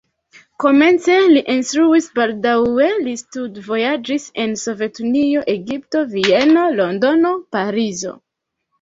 Komence li instruis, baldaŭe li studvojaĝis en Sovetunio, Egipto, Vieno, Londono, Parizo.